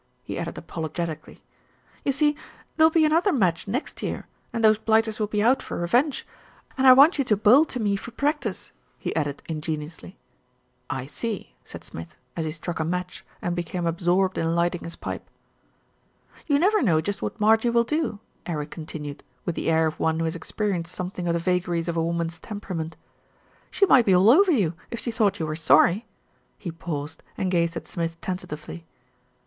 he added apologetically. "You see, there'll be another match next year, and those blighters will be out for revenge, and I want you to bowl to me for practice," he added ingenuously. "I see," said Smith, as he struck a match and be came absorbed in lighting his pipe. "You never know just what Marjie will do," Eric continued, with the air of one who has experienced something of the vagaries of a woman's temperament. "She might be all over you if she thought you were sorry." He paused and gazed at Smith tentatively.